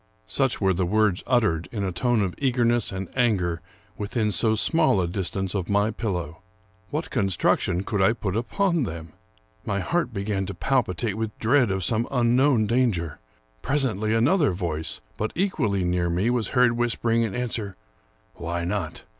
Such were the words uttered, in a tone of eagerness and anger, within so small a distance of my pillow. What con struction could I put upon them? My heart began to pal pitate with dread of some unknown danger. Presently, another voice, but equally near me, was heard whispering in answer, " Why not?